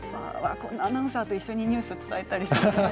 このアナウンサーと一緒にニュースを伝えたりしたら。